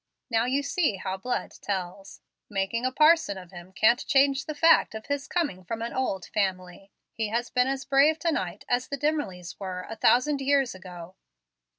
Now you see how blood tells. Making a parson of him can't change the fact of his coming from an old family. He has been as brave to night as the Dimmerlys were a thousand years ago."